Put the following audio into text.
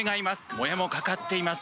もやも、かかっています。